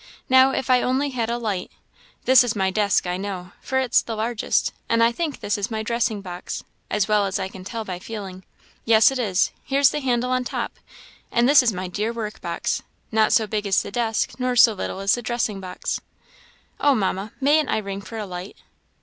Now, if I only had a light this is my desk, I know, for it's the largest; and I think this is my dressing box, as well as I can tell by feeling yes, it is, here's the handle on top; and this is my dear workbox not so big as the desk, nor so little as the dressing box. Oh, Mamma, mayn't I ring for a light?"